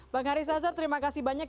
bang haris azhar terima kasih banyak